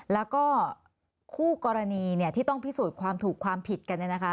แล้วก็คู่กรณีที่ต้องพิสูจน์ความถูกความผิดกัน